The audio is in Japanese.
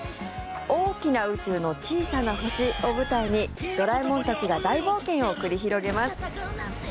大きな宇宙の小さな星を舞台にドラえもんたちが大冒険を繰り広げます。